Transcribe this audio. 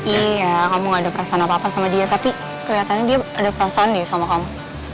iya kamu gak ada perasaan apa apa sama dia tapi kelihatannya dia ada perasaan gak sama kamu